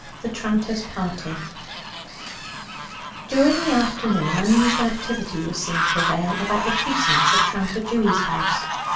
THE TRANTER'S PARTY During the afternoon unusual activity was seen to prevail about the precincts of tranter Dewy's house.